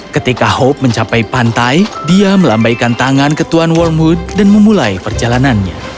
ketika hope mencapai pantai dia melambaikan tangan ke tuan wormwood dan memulai perjalanannya